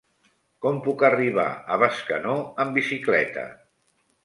Com puc arribar a Bescanó amb bicicleta?